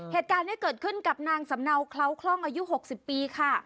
เหตุการณ์นี้เกิดขึ้นกับนางสำเนาเคล้าคล่องอายุ๖๐ปีค่ะ